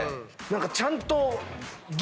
ちゃんと。